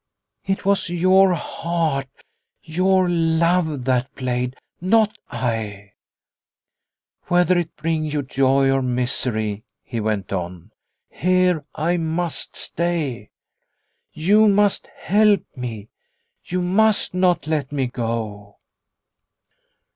It was your heart, your love that played, not I. Whether it bring you joy or misery," he went on, " here I must stay. You must help me ; you must not let me go."